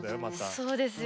そうですよ。